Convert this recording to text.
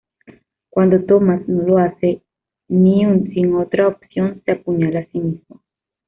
Cuando Thomas no lo hace, Newt -sin otra opción- se apuñala a sí mismo.